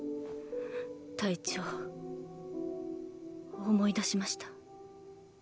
隊長思い出しました。